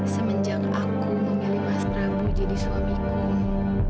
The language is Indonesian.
semenjak aku memilih mas prabu jadi suamiku